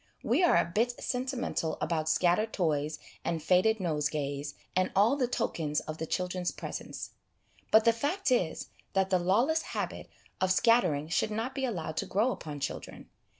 We are a bit sentimental about scattered toys and faded nosegays, and all the tokens of the children's presence; but the fact is, that the lawless habit of scattering should not be allowed to grow upon children.